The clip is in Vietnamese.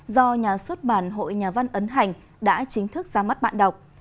do nhà xuất bản hội nhà văn ấn hành đã chính thức ra mắt bạn đọc